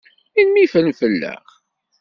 Melmi i ffren fell-aɣ?